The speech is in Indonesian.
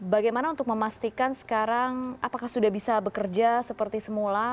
bagaimana untuk memastikan sekarang apakah sudah bisa bekerja seperti semula